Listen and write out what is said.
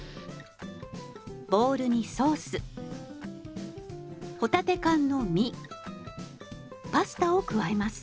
ボウルにソース帆立て缶の身パスタを加えます。